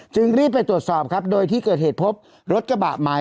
จึงรีบไปตรวจสอบครับโดยที่เกิดเหตุพบรถกระบะหมาย